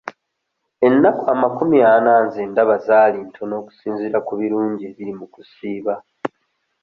Ennaku amakumi ana nze ndaba zaali ntono okusinziira ku birungi ebiri mu kusiiba.